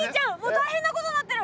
大変なことになってる！